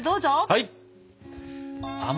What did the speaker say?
はい！